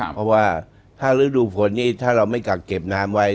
เพราะว่าถ้าฤดูฝนนี่ถ้าเราไม่กักเก็บน้ำไว้